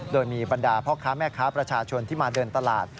โดยมีบรรดาพ่อค้าแม่ค้าประชาชนที่มาเดินตลาด